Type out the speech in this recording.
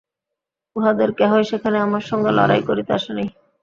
উহাদের কেহই সেখানে আমার সঙ্গে লড়াই করিতে আসে নাই।